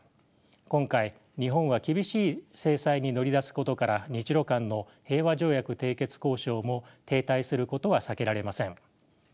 今回日本は厳しい制裁に乗り出すことから日ロ間の平和条約締結交渉も停滞することは避けられません。